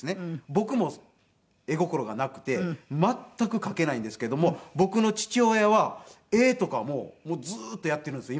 僕も絵心がなくて全く描けないんですけども僕の父親は絵とかもずーっとやっているんですよ